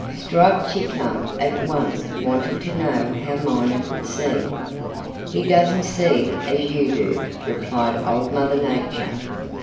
Striped Chipmunk at once wanted to know how Miner could see. "He doesn't see as you do," replied Old Mother Nature.